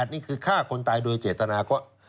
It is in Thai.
นี่คือฆ่าคนตายโดยเจตนาก็